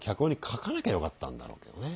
書かなきゃよかったんだろうけどね。